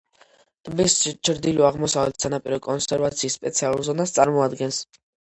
ტბის ჩრდილო-აღმოსავლეთი სანაპირო კონსერვაციის სპეციალურ ზონას წარმოადგენს.